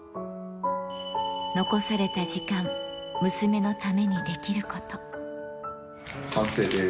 残された時間、娘のためにで完成です。